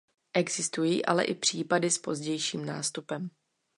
Existují ale i případy s pozdějším nástupem.